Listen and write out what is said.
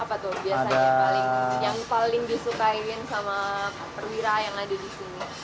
apa tuh biasanya yang paling disukain sama perwira yang ada di sini